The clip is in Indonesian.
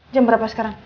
jam berapa sekarang